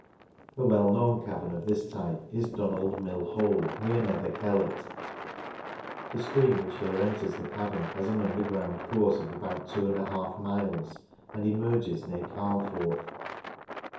A well known cavern of this type is Dunald Mill Hole near Nether Kellet; the stream which here enters the cavern has an underground course of about i\ miles, and emerges near Carnforth.